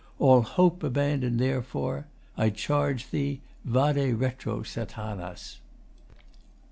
All hope abandon therefore. I charge thee: Vade retro, Satanas.